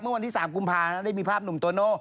วันที่๓กุมภาได้มีภาพหนุ่มโตโน่